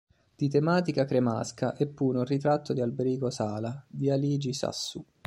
Di tematica cremasca è pure un "Ritratto di Alberico Sala" di Aligi Sassu.